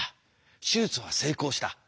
手術は成功した。